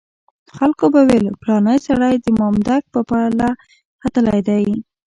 خلکو به ویل پلانی سړی د مامدک پر پله ختلی دی.